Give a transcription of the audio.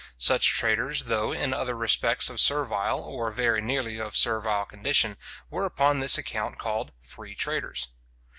Such traders, though in other respects of servile, or very nearly of servile condition, were upon this account called free traders.